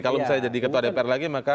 kalau misalnya jadi ketua dpr lagi maka